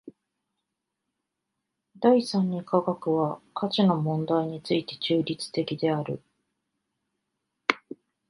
第三に科学は価値の問題について中立的である。